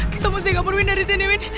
kita harus kembali dari sini nek